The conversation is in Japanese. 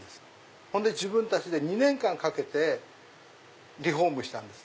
ほんで自分たちで２年かけてリフォームしたんです。